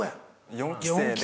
４期生で。